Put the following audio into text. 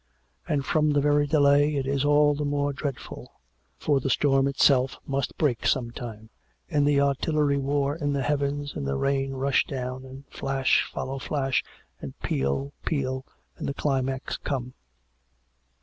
And from the very delay it is all the more dreadful; for the storm itself must break some time, and the artillery war in the heavens, and the rain rush down, and flash follow flash, and peal peal, and the cliipax come.